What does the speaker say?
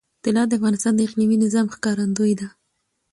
طلا د افغانستان د اقلیمي نظام ښکارندوی ده.